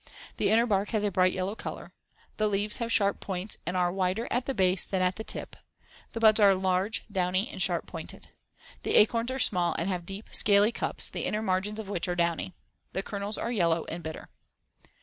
The inner bark has a bright yellow color: the *leaves* have sharp points and are wider at the base than at the tip as shown in Fig. 60. The buds are large, downy and sharp pointed. The acorns are small and have deep, scaly cups the inner margins of which are downy. The kernels are yellow and bitter.